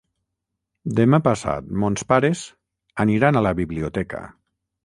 Demà passat mons pares aniran a la biblioteca.